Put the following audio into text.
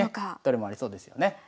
どれもありそうですよね。